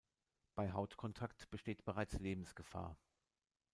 Bei Hautkontakt besteht bereits Lebensgefahr.